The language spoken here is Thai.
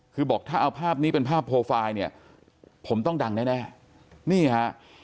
คือบอกถ้าเอาภาพนี้เป็นภาพโปรไฟล์เนี่ยผมต้องดังแน่นี่ฮะ